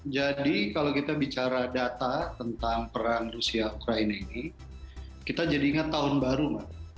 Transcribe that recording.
jadi kalau kita bicara data tentang perang rusia ukraina ini kita jadi ingat tahun baru mbak